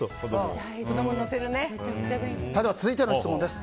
続いての質問です。